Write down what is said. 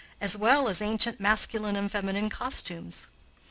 as well as ancient masculine and feminine costumes.